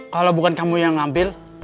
kalau bukan kamu yang ngambil